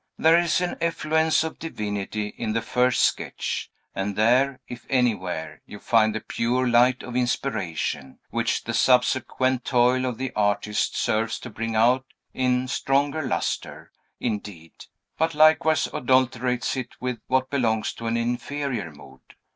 There is an effluence of divinity in the first sketch; and there, if anywhere, you find the pure light of inspiration, which the subsequent toil of the artist serves to bring out in stronger lustre, indeed, but likewise adulterates it with what belongs to an inferior mood.